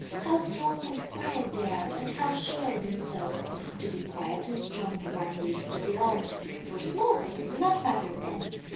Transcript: How strong and quiet they are, and how sure of themselves! To be quiet and strong one needs to be old, for small things do not matter then.